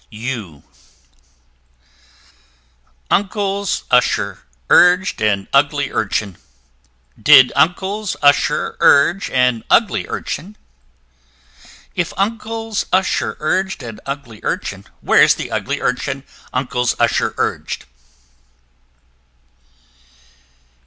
U u [Illustration: Uncle's Usher] Uncle's Usher urg'd an ugly Urchin: Did Uncle's Usher urge an ugly Urchin? If Uncle's Usher urg'd an ugly Urchin, Where's the ugly Urchin Uncle's Usher urg'd?